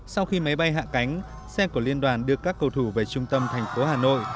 sau khi máy bay hạ cánh xe của liên đoàn đưa các cầu thủ về trung tâm thành phố hà nội